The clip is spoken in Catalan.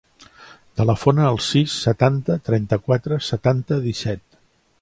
Telefona al sis, setanta, trenta-quatre, setanta, disset.